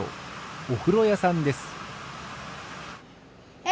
おふろやさんです。